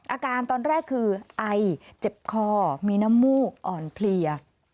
อาการตอนแรกคือไอเจ็บคอมีน้ำมูกอ่อนเพลีย